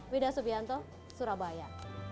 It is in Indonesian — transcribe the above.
widah subianto surabaya